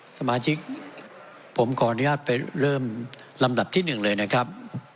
สมาชิกผมขออนุญาตไปเริ่มลำดับที่๑เลยนะครับ